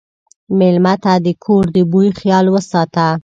مېلمه ته د کور د بوي خیال وساته.